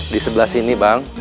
di sebelah sini bang